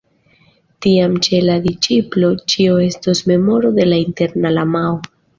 Tiam ĉe la disĉiplo ĉio estos memoro de la interna lamao.